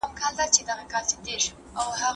دوی په تيرو وختونو کې ازاد انسانان پلورل.